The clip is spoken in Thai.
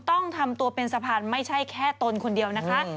ต้องทำตัวเป็นสะพานไม่ใช่แค่ตนคนเดียวนะคะ